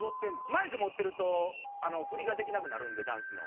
マイク持ってると振りができなくなるんでダンスの。